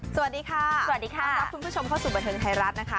สวัสดีค่ะสวัสดีค่ะรับคุณผู้ชมเข้าสู่บันเทิงไทยรัฐนะคะ